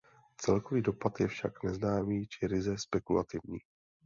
Celkový dopad je však neznámý či ryze spekulativní.